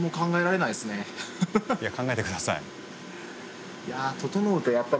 いや考えて下さい。